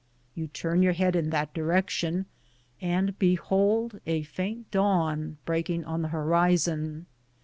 You turn your head in that direction and be hold a faint daAvn breaking on the horizon.